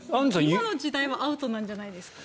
今の時代はアウトなんじゃないですか。